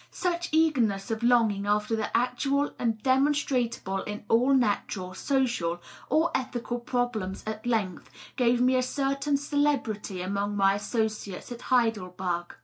Such eagerness of longing after the actual and demonstrable in all natural, social, or ethical problems at length gave me a certain celebrity among my associates at Heidelberg.